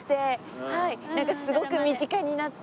なんかすごく身近になって。